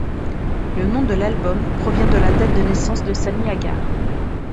Le nom de l'album provient de la date de naissance de Sammy Hagar.